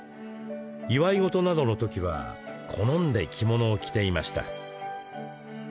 祝い事などの時は好んで着物を着ていました。